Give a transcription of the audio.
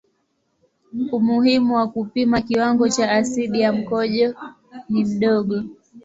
Umuhimu wa kupima kiwango cha asidi ya mkojo ni mdogo.